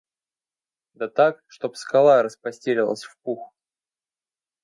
Да так, чтоб скала распостелилась в пух.